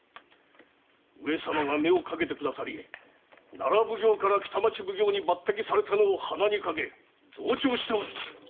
上様が目をかけてくださり奈良奉行から北町奉行に抜擢されたのを鼻にかけ増長しておるぞ。